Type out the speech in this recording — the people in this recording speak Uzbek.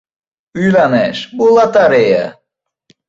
• Uylanish ― bu lotereya.